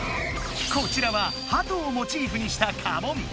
こちらはハトをモチーフにした家紋。